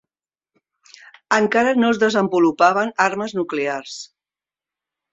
Encara no es desenvolupaven armes nuclears.